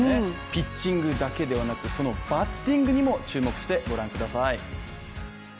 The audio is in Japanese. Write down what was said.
ピッチングだけではなくそのバッティングにも注目してご覧ください。